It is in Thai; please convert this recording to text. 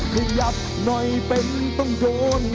ขยับหน่อยเป็นต้องโยน